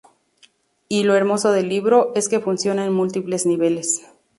Y lo hermoso del libro es que funciona en múltiples niveles.